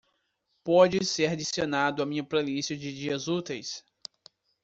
Pode ser adicionado à minha playlist de dias úteis?